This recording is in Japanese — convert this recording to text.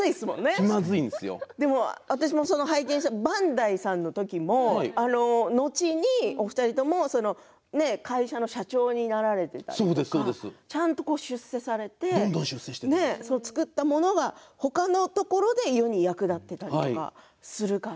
私も拝見してバンダイさんの時も後にお二人とも会社の社長になられてちゃんと出世されて作ったものが他のところで世に役立っていたりとかするから。